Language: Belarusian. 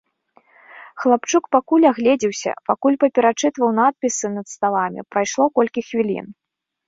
Хлапчук пакуль агледзеўся, пакуль паперачытваў надпісы над сталамі, прайшло колькі хвілін.